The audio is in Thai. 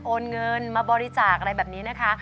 โอนเงินมาบริจาคอะไรแบบนี้นะคะ